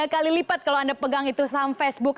tiga kali lipat kalau anda pegang itu saham facebook